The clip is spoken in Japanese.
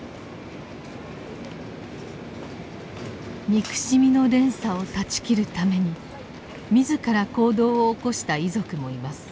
憎しみの連鎖を断ち切るために自ら行動を起こした遺族もいます。